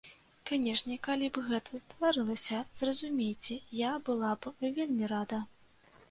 Канешне, калі б гэта здарылася, зразумейце, я была б вельмі рада.